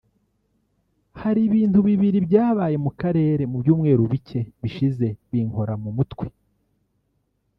Hari ibintu bibiri byabaye mu Karere mu byumweru bike bishize binkora mu mutwe